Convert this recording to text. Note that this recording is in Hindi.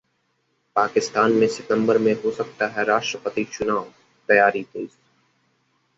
पाकिस्तान में सितंबर में हो सकता है राष्ट्रपति चुनाव, तैयारी तेज